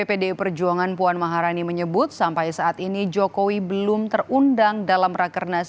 pdi perjuangan puan maharani menyebut sampai saat ini jokowi belum terundang dalam rakernas